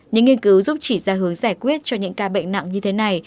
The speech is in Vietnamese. những nghiên cứu giúp chỉ ra hướng giải quyết cho những ca bệnh nặng như thế này